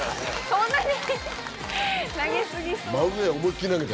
そんなに？